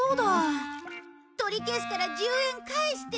取り消すから１０円返して。